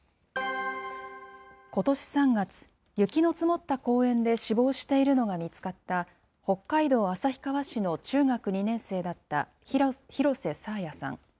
ことし３月、雪の積もった公園で死亡しているのが見つかった、北海道旭川市の中学２年生だった廣瀬爽彩さん。